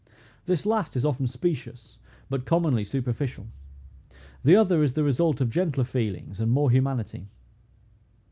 This last is often specious, but commonly superficial. The other is the result of gentler feelings, and more humanity.